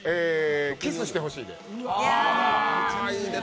「キスしてほしい」で。